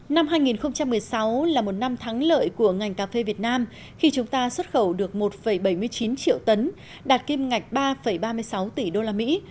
năm hai nghìn một mươi sáu là một năm thắng lợi của ngành cà phê việt nam khi chúng ta xuất khẩu được một bảy mươi chín triệu tấn đạt kim ngạch ba ba mươi sáu tỷ đô la mỹ